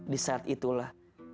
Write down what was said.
di saat itulah